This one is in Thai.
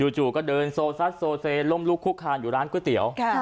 จู่ก็เดินโซซัดโซเซล้มลุกคุกคานอยู่ร้านก๋วยเตี๋ยว